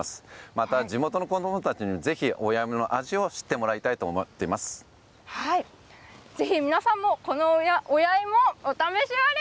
また地元の子どもたちに、ぜひ親芋の味を知ってもらいたいと思っぜひ皆さんも、この親芋、お試しあれ。